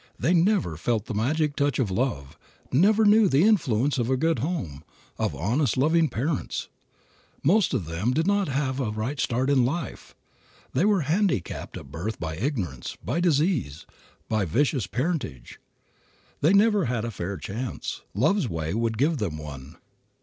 They never felt the magic touch of love, never knew the influence of a good home, of honest, loving parents. Most of them did not have a right start in life. They were handicapped at birth by ignorance, by disease, by vicious parentage. They never had a fair chance. Love's way would give them one.